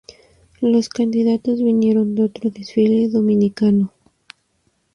Los candidatos vinieron de otro desfile dominicano.